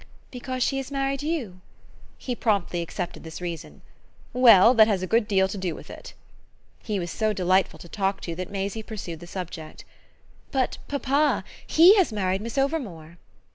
"Because she has married you?" He promptly accepted this reason. "Well, that has a good deal to do with it." He was so delightful to talk to that Maisie pursued the subject. "But papa HE has married Miss Overmore."